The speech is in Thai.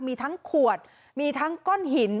มีทั้งขวดมีทั้งก้อนหิน